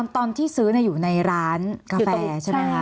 ตอนที่ซื้ออยู่ในร้านกาแฟใช่ไหมคะ